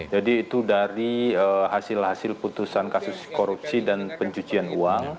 jadi itu dari hasil hasil putusan kasus korupsi dan pencucian uang